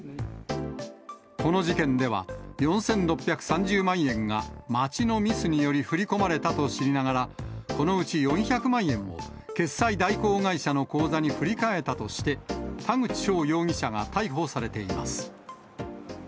この事件では、４６３０万円が町のミスにより振り込まれたと知りながら、このうち４００万円を決済代行会社の口座に振り替えたとして、田口翔容疑者が逮捕されています。